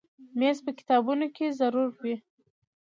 مېز په کتابتون کې ضرور وي.